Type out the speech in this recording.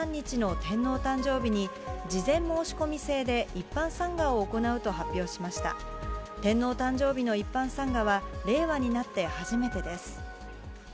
天皇誕生日の一般参賀は、令和になって初めてです。